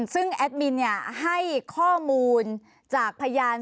ซึ่งแอดมินให้ข้อมูลจากพยาน